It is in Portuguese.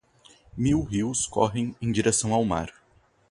Mil rios correm em direção ao mar